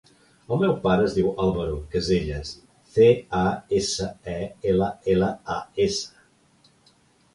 El meu pare es diu Álvaro Casellas: ce, a, essa, e, ela, ela, a, essa.